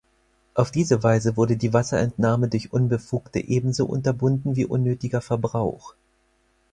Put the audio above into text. Auf diese Weise wurde die Wasserentnahme durch Unbefugte ebenso unterbunden wie unnötiger Verbrauch.